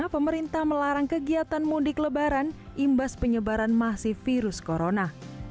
pemerintah melarang kegiatan mudik lebaran imbas penyebaran masih virus corona